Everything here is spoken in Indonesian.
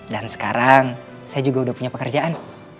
dan sekarang saya juga udah punya pekerjaan